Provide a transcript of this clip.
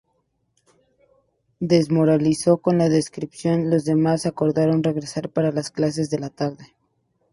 Desmoralizados con la deserción, los demás acordaron regresar para las clases de la tarde.